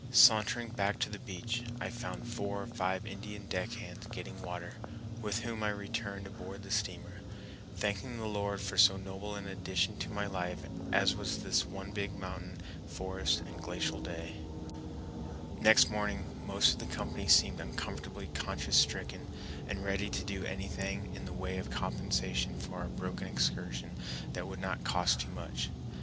Sauntering back to the beach, I found four or five Indian deck hands getting water, with whom I returned aboard the steamer, thanking the Lord for so noble an addition to my life as was this one big mountain, forest, and glacial day. [Illustration: Alaskan Hemlocks and Spruces, Sitka.] Next morning most of the company seemed uncomfortably conscience stricken, and ready to do anything in the way of compensation for our broken excursion that would not cost too much.